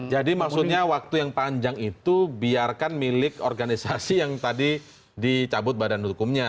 jadi maksudnya waktu yang panjang itu biarkan milik organisasi yang tadi dicabut badan hukumnya